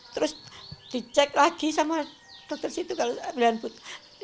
terus dicek lagi sama dokter situ kalau saya pilihan butuh